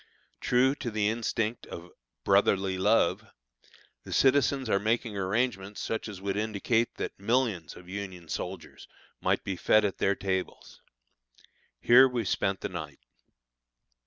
True to the instinct of "Brotherly Love," the citizens are making arrangements such as would indicate that millions of Union soldiers might be fed at their tables. Here we spent the night.